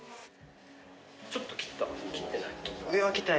ちょっと切った？